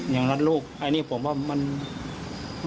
ยังรักลูกอันนี้ผมไม่เคยพบกันนะ